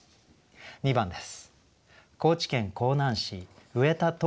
２番です。